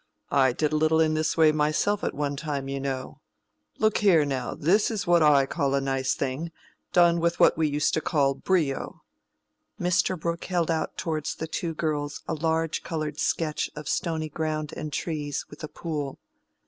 I did a little in this way myself at one time, you know. Look here, now; this is what I call a nice thing, done with what we used to call brio." Mr. Brooke held out towards the two girls a large colored sketch of stony ground and trees, with a pool.